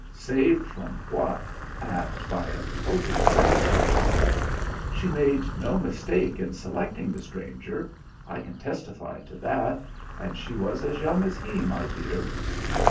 "Saved from what, and by a total stranger!" "She made no mistake in selecting the stranger. I can testify to that; and she was as young as he, my dear."